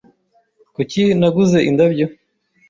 Kuki naguze indabyo?